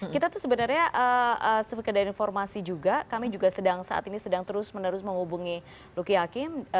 kita tuh sebenarnya sekedar informasi juga kami juga saat ini sedang terus menerus menghubungi luki hakim